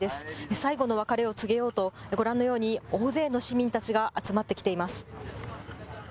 最後の別れを告げようと、ご覧のように大勢の市民たちが集まってきています。